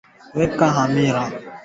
weka hamira kwenye maji ya uvuguvugu